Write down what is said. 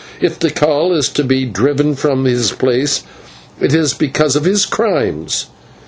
"If Tikal is to be driven from his place, it is because of his crimes."